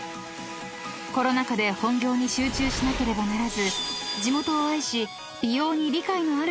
［コロナ禍で本業に集中しなければならず地元を愛し美容に理解のある人に買ってほしい］